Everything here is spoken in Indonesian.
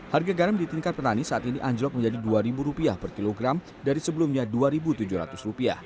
harga garam di tingkat petani saat ini anjlok menjadi rp dua per kilogram dari sebelumnya rp dua tujuh ratus